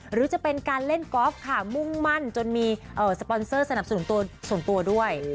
หรือจะเป็นการเล่นกอล์ฟค่ะมุ่งมั่นจนมีสปอนเซอร์สนับสนุนตัวส่วนตัวด้วย